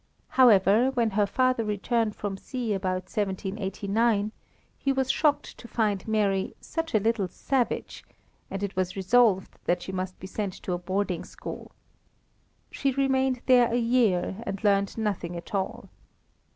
However, when her father returned from sea about 1789 he was shocked to find Mary "such a little savage"; and it was resolved that she must be sent to a boarding school. She remained there a year and learned nothing at all.